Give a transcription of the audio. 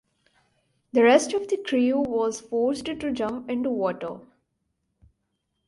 The rest of the crew was forced to jump into water.